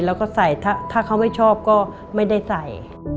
แล้วก็ใส่ถ้าเขาไม่ชอบก็ไม่ได้ใส่